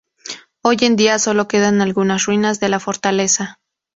Hoy en día sólo quedan algunas ruinas de la fortaleza.